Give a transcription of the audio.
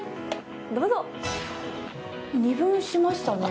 どうぞ二分しましたね